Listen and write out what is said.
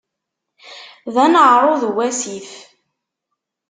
D aneɛṛuḍ uwasif.